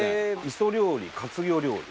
「磯料理活魚料理」。